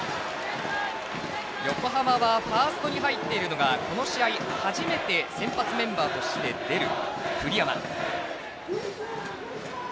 横浜はファーストに入っているのがこの試合、初めて先発メンバーとして出る栗山。